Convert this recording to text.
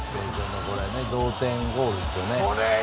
同点ゴールですよね。